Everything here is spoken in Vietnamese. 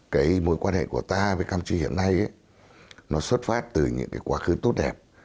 cái mối quan hệ của ta với campuchia hiện nay nó xuất phát từ những cái quá khứ tốt đẹp